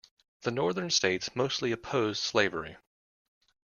The northern states mostly opposed slavery.